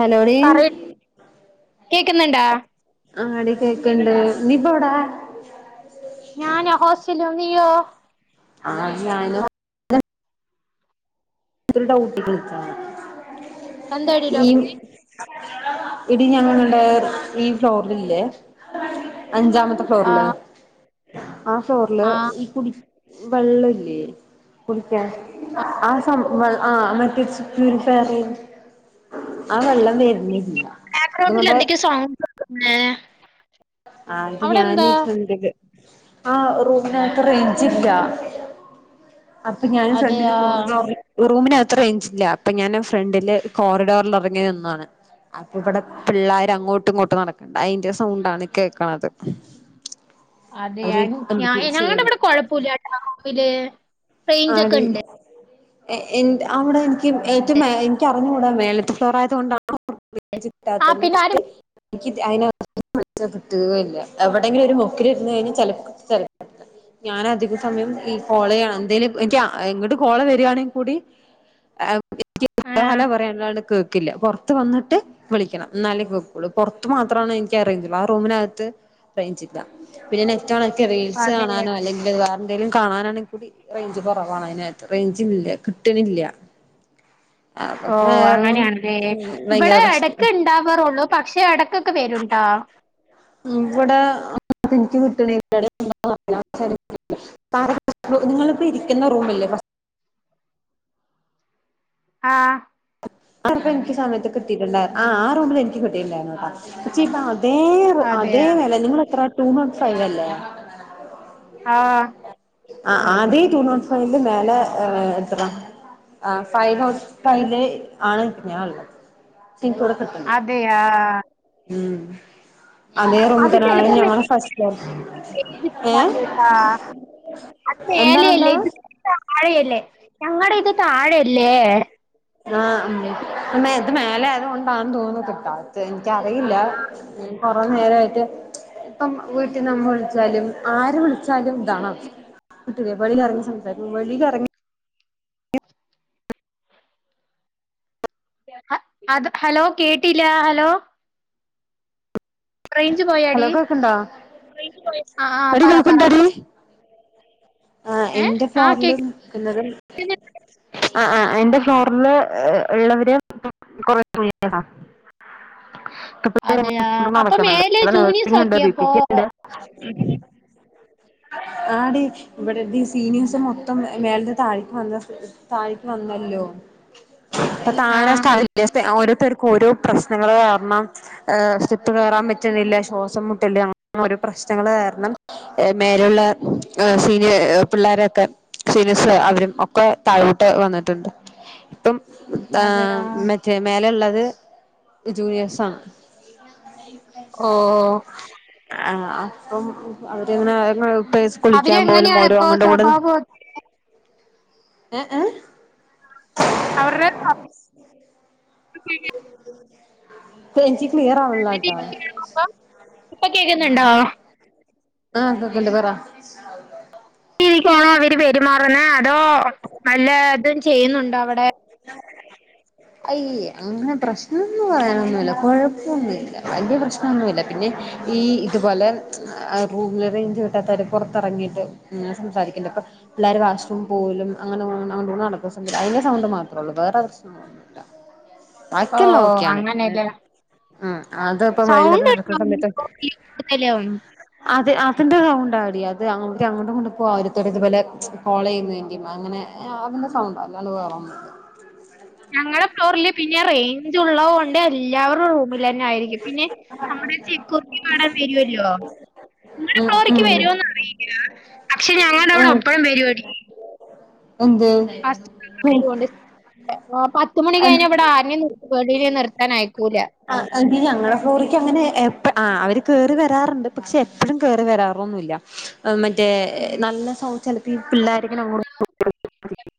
Hello? ടി കേക്കുന്നുണ്ട. ആടി കേക്കണ്ട്. നീപ്പവിടാ? ഞാനാ ഹോസ്റ്റലില്. നീയോ? ആ ത് ഞാനു എന്താടീടോ [unintelligible] ഈ എടി ഞങ്ങളുടെ ഈ ഫ്ലോറില്ലേ അഞ്ചാമത്തെ ഫ്ലോറില് ആഹ് ആ ഫ്ലോറില് ആഹ് കുടി വെള്ളല്ലേ കുടിക്കാൻ ആ ആ മറ്റേ പ്യൂരിഫയർല് ആ വെള്ളം വരണില്ല. ബാക്ക്ഗ്രൗണ്ടിലെന്തൊക്കെ സൗണ്ട്ണ്ട്. ഏ ആ അത് ഞാനീട്ടണ്ട് ആ റൂമിനകത്ത് റേയ്ഞ്ചില്ല. അപ്പൊ ഞാന് ഫ്രണ്ടില് അതെയാ കോറിഡോറില് റൂമിനകത്ത് റേയിഞ്ചില്ല. അപ്പൊ ഞാന് ഫ്രണ്ടില് കോറിഡോറിലെറങ്ങി നിന്നതാണ്. അപ്പ ഇവിടെ പിള്ളാര് അങ്ങോട്ടും ഇങ്ങോട്ടും നടക്കണണ്ട് അതിന്റെ സൗണ്ടാണ് കേക്കണത്. അതെയാ. അവര് ഞ എന്തൊക്കെയോ ഞങ്ങട ചെയ്യണ് ഇവിടെ കൊഴപ്പില്ലട്ടാ റൂമില്. റേഞ്ച് ഒക്കെ ആടി ഉണ്ട് എ നി അവിടെ എനിക്ക് ഏറ്റവും എനിക്കറിഞ്ഞുകൂടാ മേലത്ത് ഫ്ലോർ ആയത് കൊണ്ടാണ് ആഹ് പിന്നെ ആരും [unintelligible] എനിക്ക് അതിന [unintelligible] കിട്ടുക ഇല്ല എവിടെയെങ്കിലും ഒരു മോക്കിൽ ഇരുന്നു കഴിഞ്ഞാൽ ചിലപ്പോ ശരി ഞാൻ അധിക സമയം ഈ കോളയാണ് എന്തേലും എനിക്ക് ഇങ്ങട് കോള് വരിയാണെങ്കിൽ കൂടി എനിക്ക് ആഹ് ഹലോ പറയാനാണ് കേക്കില്ല. പുറത്ത് വന്നിട്ട് വിളിക്കണം. ന്നാലേ കേക്കുള്ളും. പുറത്തു മാത്രമാണ് എനിക്ക് അറേഞ്ച് ആ റൂമിനകത്ത് റേയ്ഞ്ചില്ല. പിന്നെ നെറ്റണക്ക റീൽസ് അതെ കാണാനോ അലെങ്കിൽ വേറെന്തെലും കാണാനാണ ടി റേഞ്ച് കുറവാണ്. അതിനകത്ത് റേഞ്ചില്ല കിട്ടണില്ല. അപ്പൊ ഓഹ് കാരണം ഭയങ്കര പ്രശ്നം ഒക്കെ ഉണ്ടാവാറുള്ളൂ. പക്ഷെ ഇടയ്ക്കൊക്കെ വരുട്ടാ. [unintelligible] ഇവടെ ഇൻക് കിടണ്ല്ലാ [unintelligible] നിങ്ങളിപ്പോ ഇരിക്കുന്ന റൂമല്ലേ? ഫസ് ആ ആപ്പ എനിക്ക് സമയത്ത് കിട്ടിട്ടുണ്ടായി. ആ ആ റൂമിൽ എനിക്ക് കിട്ടിട്ടുണ്ടായിരുന്നട്ടാ. പക്ഷേ ഇപ്പ അതേ അതേ അതെയാ നില നിങ്ങളെത്ര റ്റു നോട്ട് ഫൈവ് അല്ലെ ആ ആ ആദ്യ ടു നോട്ട് ഫൈവിൻ്റെ മേലെ എത്ര ആ ഫൈവ് നോട്ട് ഫൈവ് ഇൽ ആണ് ഞാള്ളത്. അതെയാ! ഉം അതേ അത് റൂമതന്ന ചെലപ്പം ഞങ്ങടെ ഫസ്റ്റ് ഫ്ലോർ. ആ അത് എന്താണ് മേലല്ലേ. എന്താണ് ഇത് താഴയല്ലേ? ഞങ്ങളുടെ ഇത് താഴയല്ലേ? ലേ ആ മ് മ്മ ത് മേലെ ആയതുകൊണ്ടാെന്ന് തോന്നുന്നു കിട്ടാ ത്ത് എനിക്കറിയില്ല. അപ്പൊ നേരായിട്ട് ഇപ്പം വീട്ടിന്ന് അമ്മവിളിച്ചാലും ആര് വിളിച്ചാലും ഇതാണ് അവസത [unintelligible] വെളിറങ്ങി സംസാരിക്ക വെളിലറങ്ങി. അത് ഹലോ കേട്ടില്ല ഹലോ. റേഞ്ച് പോയാടി ഹലോ കേൾക് ണ്ടോ ആ ആ എടി പറ പറ കേൾക്കിണ്ടെടി. ആ ഏ എന്റെ ആ ഫ്ലോറി കേ ൽ നിക്കുന്നത്. ആ ആ് എന്റെ ഫ്ലോറില് ഇള്ളവരെ കുറ. അതെയാ അപ്പൊ നടക്കുന്നുണ്ട് മേലെ ഇവിടെ ജൂനിയേസ് നഴ്സിംഗ് ഉണ്ട് ആക്കിയപ്പോ. ബിപിക്ക് ഉണ്ട് ആടി. ഇവിടെ ഈ സീനിയേഴ്സും മൊത്തം മേലന്ന് താഴേക്ക് വന്ന താഴേക്ക് വന്നല്ലോ. അപ്പൊ ആ താഴെ [unintelligible] ഓരോത്തർക്കും ഓരോ പ്രശ്നങ്ങള് കാരണം. ആ സ്റ്റെപ് കേറാൻപറ്റുന്നില്ല ശ്വാസം മുട്ടല്. ഓരൊ പ്രശ്നങ്ങള് കാരണം മേലുള്ള സി. പിള്ളോരൊക്കെ സീനീസ് അവരും ഒക്കെ താഴോട്ട് വന്നിട്ടുണ്ട് ഇപ്പം. ആ അതെയാ മറ്റേ മേലെ ഇള്ളത് ജൂനിയേഴ്സാണ്. ഓ [unintelligible] ആ അപ്പം അവര്ങ്ങനെ [unintelligible] അവര്ങ്ങനെയാണ് ഇപ്പോ സ്വഭാവം. ഏ ഏ. അവര്ടെ സ്വ ഏച്ചി. ക്ലിയർാവ്ല്ലട്ടോ അപ്പം ഇപ്പൊ കേക്കുന്നുണ്ടോ ആഹ് കേക്ണ്ട് പറ. [unintelligible] രീക്കണോ അവര് പെരുമാറുന്നെ അതോ വലതും ചെയ്യുന്നുണ്ടോ അവിടെ. അയ് അങ്ങനെ പ്രശ്നന്ന് പറയാനൊന്നുല്ല കൊഴപ്പൊന്നുല്ല വലിയ പ്രശ്നമൊന്നുല്ല പിന്നെ ഈ ഇതുപോലെ റൂമിൽ റേഞ്ച് കിട്ടാത്തവര് പുറത്തിറങ്ങിട്ട് സംസാരിക്കണ്ട ഇപ്പം പിള്ളെര് വാഷ്റൂം പോവലും അങ്ങനെ നടക്കുന്ന അതിന്റെ സൗണ്ട് മാത്രം അ വേറെ പ്രശ്നൊന്നുല ഓ ബാക്കിയല്ലാം ഓക്കെയാണ്. അങ്ങനെയല്ലേ ഉം അത ഇപ്പോ വെളിയിലൊക്കെ സൗണ്ട് നടക്കുന്ന സമയത്ത് ഉണ്ടോ കൂടുതലും അതെ അതിന്റെ സൗണ്ട അവിടി അത് അത് അതിന്റെ സൗണ്ടാടി അത് അങ്ങോട്ടും ഇങ്ങോട്ടും പോവരും അവരിതുപോലെ കൊളെയ്നെന്റേം അങ്ങനെ അതിന്റെ സൗണ്ട അല്ലാണ്ട്‌ വേറൊന്നുല. ഞങ്ങളുടെ ഫ്ലോറില് പിന്നെ റേഞ്ച് ഉള്ളത് കൊണ്ട് എല്ലാവരും റൂമിലനായിരിക്കും പിന്നെ നമ്മുടെ ചെക്കുർത്തി പാടാൻ വരുവല്ലോ. നിങ്ങുടെ ഉം ഉം ഫ്ലോറിക്ക് വരുമന്ന് അറിയില്ല പക്ഷെ ഞങ്ങളുടെ അവിടെ എപ്പഴും വെരുവെടി. എന്തെ. ആതൊണ്ട് പത്തുമണി കഴിഞ്ഞലിവിടെ ആനെയവിടെ നിർത്താനയക്കൂല്ല. ആ ഇ ഞങ്ങളെ ഫ്ലോറിക്ക് അങ്ങനെ എപ്പ ആ അവര് കേറി വരാറുണ്ട് പക്ഷെ എപ്പോഴും കേറി വരാറൊന്നുല്ല. മറ്റേ ഉം. നല്ല സൗ ചിലപ്പോ ഈ പിള്ളാരിങ്ങനെ. [unintelligible]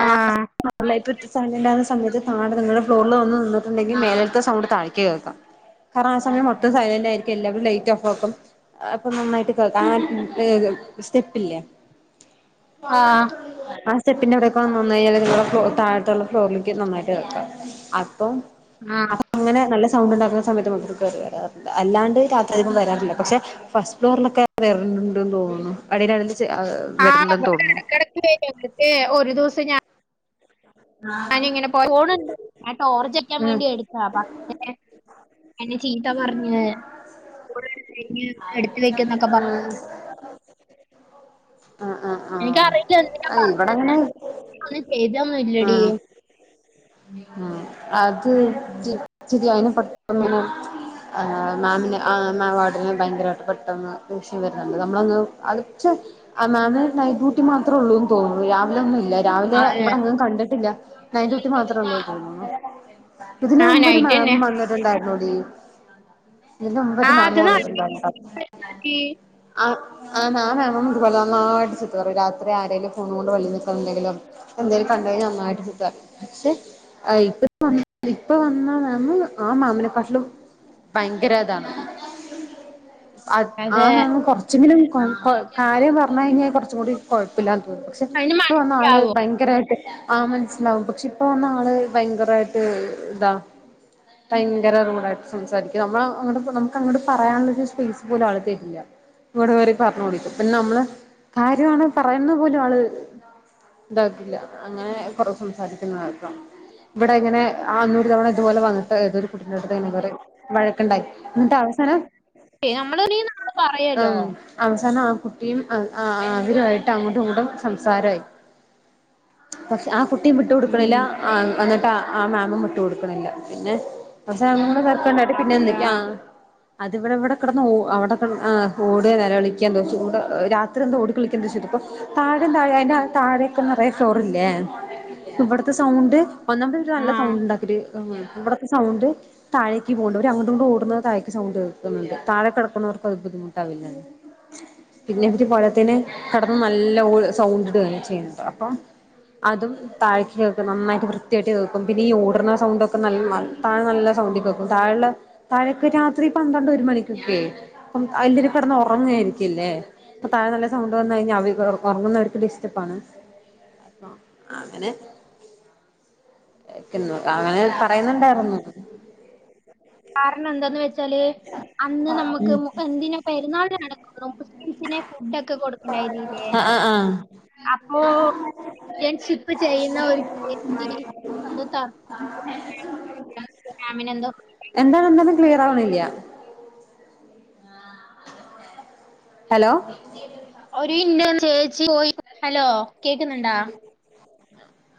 ആ ആഹ് അല്ല ഇപ്പ സൗണ്ട് ഉണ്ടാരുന്ന സമയത്ത് താഴെ നിങ്ങള് ഫ്ലോറിൽ വന്ന് നിന്നിട്ടണ്ടെങ്കിൽ മേലെത്തെ സൗണ്ട് താഴേക്ക് കേൾക്കാം കാരണം ആ സമയം മൊത്തം സൈലന്റായിരിക്കും എല്ലാവരും ലൈറ്റ് ഓഫ് ആക്കും. അപ്പൊ നന്നായിട്ട് കേൾക്കാം ആ സ്റ്റെപ്പില്ലേ. ആ ആ സെപ്പിന്റെവിടെയൊക്കെ വന്നോന്നഞ്ഞാല് ഫ താഴത്തുള്ള ഫ്ലോറിലേക്ക് നന്നായിട്ട് വക്കാം അപ്പം ആ അങ്ങനെ നല്ല സൗണ്ട് ഉണ്ടാക്കുന്ന സമയത്ത് മതർ കേറിവരാറിണ്ട് അല്ലാണ്ട് രാത്രിധികം വരാറില്ല പക്ഷെ ഫസ്റ്റ് ഫ്ലോറിലൊക്കെ വരലിണ്ടെന്ന് തോന്നുന്നു [unintelligible] വരുന്നുണ്ടെന്ന് തോന്നുന്നു. വിടുത്തെ ഒരു ദവസം ഞാൻ ഞാൻ ഇങ്ങനെ പോണുണ്ട് ഞാൻ ടോർച് അടിക്കാൻ ഉം വേണ്ടി എടുത്ത പക്ഷേ എന്നെ ചീത്ത പറഞ്ഞ് എടുത്ത വെക്ക് എന്നൊക്കെ പറഞ്ഞ് ആഹ് ആഹ് ആഹ് എനിക്കറിയില്ല എന്തിനാ ഇവിടെ പറഞ്ഞേന്നു അങ്ങനെ ഒന്ന് ചെയ്ത ഒന്നും ഇല്ലടി ആഹ് അത് ശരി അയിന് പെട്ടനെ ആ മാമിന് ആ വാർഡന് ഭയങ്കരമായിട്ട് പെട്ടെന്ന് ദേഷ്യം വരുന്നുണ്ട് നമ്മളൊന്ന് [unintelligible] ആ മാമ് നൈറ്റ് ഡ്യൂട്ടി മാത്രമുള്ളൂന്ന് തോന്നുന്നു രാവിലെ ഒന്നും ഇല്ല രാവിലെ അതെ ഇവിടെ അങ്ങും കണ്ടിട്ടില്ല നൈറ്റ്‌ ഡ്യൂട്ടി മാത്രം ഉള്ളൂ തോന്നുന്നു ഇതിന് ആ മുമ്പ് ഒരു നൈറ്റ് മാം തന്നെ വന്നട്ടുണ്ടായിരുന്നുടി ഇതിന് ആ മുൻപ് അത് മാമ് വന്നിട്ടുണ്ടരുന്നു നടത്തി. ആ ആഹ് ആ മാമും ഇതു പോലെ നന്നായിട്ട് ചീത്ത പറയും രാത്രി ആരെങ്കലും ഫോൺ കൊണ്ട് വെളി നിൽക്കോ എന്തെങ്കിലും എന്തായാലും കണ്ട നന്നായിട്ട് ചീത്ത പറയും പക്ഷെ ഇപ്പ വന്ന മാമും ആ മാമിനെക്കാട്ടിലും ഭയങ്കര ഇതാണ് [inaudible] ആ അതെ മാമും കൊറച്ചെങ്കിലും കാര്യം പറഞ്ഞ് കഴിഞ്ഞാൽ കുറച്ചും കൂടി കൊഴപ്പില്ലാന്ന് തോന്നുന്നു പക്ഷെ അതിന് ഇപ്പ വന്ന ആള് മനസ്സിലാവോ ഭയങ്കരമായിട്ട് ആഹ് മനസ്സിലാവും പക്ഷെ ഇപ്പ വന്ന ആള് ഭയങ്കരമായിട്ട് ഇതാ ഭയങ്കര റൂടായിട്ട് സംസാരിക്കും നമ്മൾ അങ്ങട് നമുക്ക് അങ്ങട് പറയാനുള്ളൊരു സ്പേസ് പോലും ആൾ തരില്ല ഇവിടെ കയറി പറഞ്ഞു കുടിക്കും പിന്നെ നമ്മള് കാര്യമാണ് പറയുന്നത് പോലും ആള് ഇതാക്കില്ല അങ്ങനെ കുറേ സംസാരിക്കുന്ന ആൾക്കാണ് ഇങ്ങനെ ആ ഒരു തവണ ഇതുപോലെ വന്നിട്ട് ഏതോ ഒരു കുട്ടിന്റെ അടുത്ത്ങ്ങനെ വഴക്കുണ്ടായി എന്നിട്ട് അവസാനം ഏ, നമ്മള് നീ നമ്മള് പറയല്ലോ ഉം അവസാനം ആ കുട്ടിയും ആ ആരുമായിട്ട് അങ്ങോട്ടും ഇങ്ങോട്ടും സംസാരായി പക്ഷെ ആ കുട്ടിം ഉം വിട്ട്കൊടുക്ക്ണില്ല ആ എന്നിട്ട് ആ മാമും വിട്ട്കൊടുക്ക്ണില്ല പിന്നെ അസ ചെർക്കണ്ടായിട്ട് [unintelligible] പിന്നെ അതെയാ എന്തൊക്കെയാ അതിവിടെ ഇവിടെ കിടന്ന് ഒ അവിടെ കടന്ന് ഏ ഓടേ നിലവിളിക്കൊ എന്തേ ചെയ്ത് രാത്രി ഇതെന്താ ഓടിക്കളിക്കേ എന്തോ ചോയിതപ്പോ താഴെ താഴെ അതിന്റെ താഴെയൊക്കെ നിറയേ ഫ്ലോറില്ലേ ഇവിടത്തെ സൗണ്ട് ഒന്നാമതേ ആ നല്ല സൗണ്ട് ഉണ്ടാക്കല് ഏ ഇവിടത്തെ സൗണ്ട് താഴേക്ക് പോണ്ട് അവര് അങ്ങടുംഇങ്ങടും ഓടുന്നത് താഴേക്ക് സൗണ്ട് കേൾക്കുന്നുണ്ട് താഴെ കിടക്കുന്നവർക്ക് അത് ബുദ്ധിമുട്ടാവില്ലേ [inaudible] പിന്നെ ഇനിക്ക് പോരാത്തേന് കിടന്ന് നല്ല പോലെ സൗണ്ട് ഇടേ ചെയ്യണ്ട് അപ്പൊ അതും താഴേക്ക് കേൾക്കും നന്നായിട്ട് വൃത്തിയായിട്ട് കേൾക്കും പിന്നെ ഈ ഓട്ന്ന സൗണ്ട് ഒക്കെ താഴെ നല്ല സൗണ്ടിൽ കേക്കും താഴെ ഇള്ള താഴക്ക് രാത്രി പന്ത്രണ്ട് ഒരു മണിക്കൊക്കെ അപ്പം എല്ലാരും കിടന്ന് ഉറങ്ങായിരിക്കില്ലേ ഇപ്പം താഴെ നല്ല സൗണ്ട് വന്നു കഴിഞ്ഞാൽ അവർ ഉറങ്ങുന്നവർക്ക് ഡിസ്റ്റർബ് ആണ് അങ്ങനെ നക്ക അങ്ങനെ പറയുന്നുണ്ടായിരുന്നു കാരണം എന്താന്ന് വെച്ചാല് അന്ന് നമ്മുക്ക് മു എന്തിന പെരുന്നാൾ നടക്കുന്നു മുസ്ലിംസിന് മ ഫുഡ്‌ ഒക്കെ കൊടുക്കണ്ടായിരുന്നില്ലേ ആ ആ ആ അപ്പോ ഞാൻ ഷിപ്പ് ചെയ്യുന്ന ഒരു മിനി ഒന്ന് താ [unintelligible] ഫാമിന [unintelligible] എന്തോ എന്താണ് എന്താണ് ക്ലിയർ ആവണില്ല ഹലോ ഒരു [unintelligible] ചേച്ചി പോയി ഹലോ കേക്കുന്നുണ്ടേ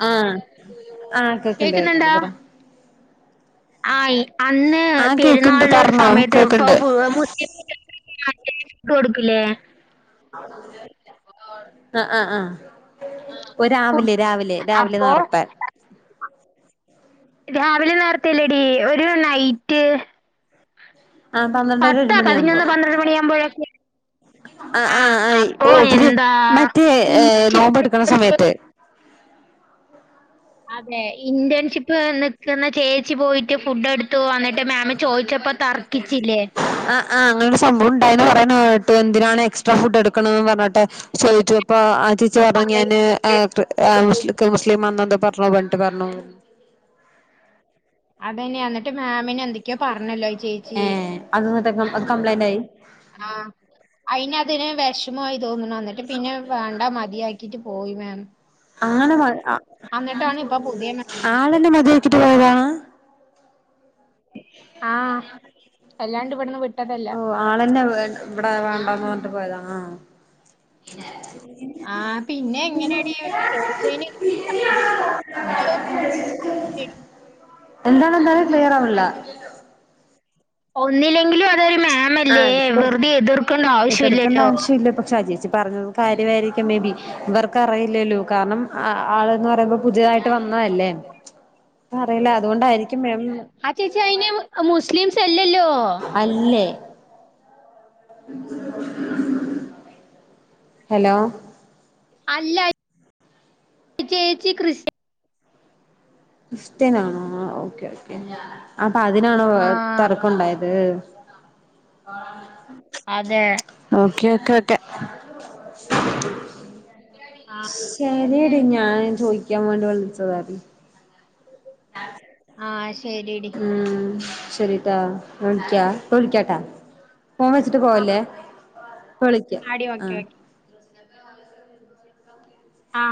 ആഹ ആ കേക്ക്ണ്ട് കേക്ക്ണ്ട് പറ ആ അന്ന് ആഹ് കേക്കണ്ട് പെരുന്നാളുടെ ഒരു പറഞ്ഞോ സമയത്ത് കേക്കണ്ട് ഇപ്പൊസ് [unintelligible] ആ കേക്ക് കൊടുക്കില്ലേ ആഹ ആഹ ആഹ ഓ രാവിലെ രാവിലെ രാവിലെ അപ്പൊ നേർത്തെ രാവിലെ നേരത്തെല്ലടി ഒരു നൈറ്റ് ആ പന്ത്രണ്ടര ഒരു പത്ത് മണി ആകുമ്പോ പതിനൊന്ന് പന്ത്രണ്ട് മണിയാകുമ്പോഴൊക്കെ ആ ആ ആഹ് ആ അപ്പൊ ഓവല് എന്താ മറ്റേ നോമ്പ് എടുക്ക്ണ ഇന്റേൺഷിപ്പ് സമയത്ത് അതെ ഇന്റേൺഷിപ്പ് നിക്കുന്ന ചേച്ചി പോയിട്ട് ഫുഡ് എടുത്ത് എടുത്തു വന്നിട്ട് മേമ് ചോദിച്ചപ്പോ തർക്കിച്ചില്ലേ ആ ആഹ് അങ്ങനെ ഒരു സംഭവം ഉണ്ടായന്ന് പറയണത് കേട്ട് എന്തിനാണ് എക്സ്ട്രാ ഫുഡ് എടുക്കണന്ന് പറഞ്ഞിട്ട് ചോദിച്ചു അപ്പൊ ആ ചേച്ചി പറഞ്ഞു ഞാന് ആ പറയുന്നത് മുസ്ലില്ലി ന്തോ പറഞ്ഞോ അവൻ പറഞ്ഞു അതന്നെ ന്നിട്ട് മാമിനെ എന്തൊക്കെയോ പറഞ്ഞല്ലോ ചേച്ചി ഏഹ് അത് ന്നിട്ട് അത് കമ്ബ്ലൈന്റ് ആയി ആഹ അയിൻ അതിന് വിഷമായി തോന്ന്ണ് ന്നിട്ട് പിന്നെ വേണ്ട മതിയാക്കിട്ട് പോയി മാം അങ്ങനെ ആ എന്നിട്ടാണ് ഇപ്പൊ പുതിയ മാം വന്നത് ആളെന്നെ മതിയാക്കിട്ട് പോയതാണ് ആഹ അല്ലാണ്ട് ഇവിടുന്ന് വിട്ടതല്ല ആളന്നെ ഇവിടെ വേണ്ടന്ന് പറഞ്ഞിട്ട് പോയതാ ആ [inaudible] ആ പിന്നെ എങ്ങനെടി ചോയ്ച്ചിന് എന്താണ് ന്താണ് ക്ലിയർ ആവണില്ല ഒന്നിലെങ്കിലും ആ പ്പോ എതിർക്കേണ്ട ആവശ്യമില്ലല്ലോ ആവശ്യം ഇല്ല പക്ഷെ ആ ചേച്ചി പറഞ്ഞു കാര്യമായിരിക്കും മേബി ഇവർക്ക്റിയില്ലല്ലോ കാരണം ആൾന്ന് പറയുമ്പോൾ പുതിയതായി വന്നതല്ലേ അറിയില്ല അതുകൊണ്ടായിരിക്കും മേം ആ ചേച്ചി അയിന് അ മുസ്ലിംസല്ലല്ലോ. അല്ലെ? [inaudible] ഹലൊ അല്ലായ് ഇ ച്ചേച്ചി ക്രിസ്യ ക്സ്ത്യനാണോ ആ ഓക്കെ ഓക്കെ അപ്പതിനാണോ ആ ഒ തർ - പ്പണ്ടായത് [inaudible] ആതെ ഓക്കെ ഓക്കെ ക്കെ ആ [inaudible] അതന്നെ ശരിയടി ഞാൻ ചോയ്ക്കാം വാണ്ടി വ്ൾച്ചതാര്നു [inaudible] ആ ശെരിടി ഊം. ശരി ട്ടാ വിൾക്യാ പ്പ വിൾക്ക്യാട്ടാ [unintelligible] ച്ട്ട് ആ പോവല്ലേ. പ്പ ളിക്ക ആടി ആ ഓക്കെ ഓക്കെ [inaudible] ആ